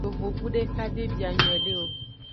Yovogbu deka de bia nyuiede o.